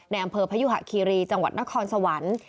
อำเภอพยุหะคีรีจังหวัดนครสวรรค์